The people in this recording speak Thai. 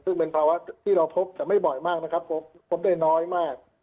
ซึ่งเป็นภาวะที่เราพบแต่ไม่บ่อยมากนะครับพบได้น้อยมาก